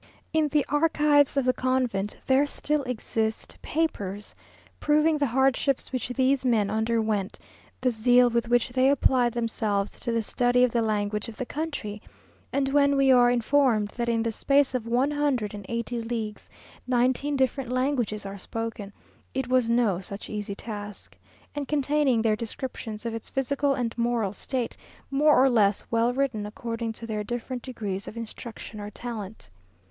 In the archives of the convent there still exist papers, proving the hardships which these men underwent; the zeal with which they applied themselves to the study of the languages of the country; (and when we are informed that in the space of one hundred and eighty leagues, nineteen different languages are spoken, it was no such easy task;) and containing their descriptions of its physical and moral state, more or less well written, according to their different degrees of instruction or talent.